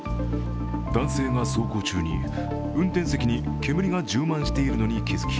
男性が走行中に、運転席に煙が充満しているのに気付き